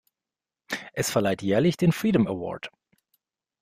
Es verleiht jährlich den Freedom Award.